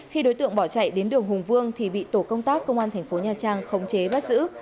khi đối tượng bỏ chạy đến đường hùng vương thì bị tổ công tác công an thành phố nha trang khống chế bắt giữ